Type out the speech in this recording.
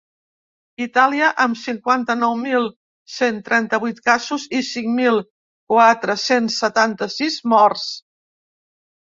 Itàlia, amb cinquanta-nou mil cent trenta-vuit casos i cinc mil quatre-cents setanta-sis morts.